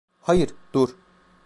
Hayır, dur.